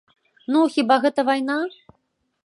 Ну, хіба гэта вайна?